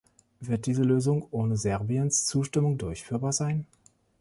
Wird diese Lösung ohne Serbiens Zustimmung durchführbar sein?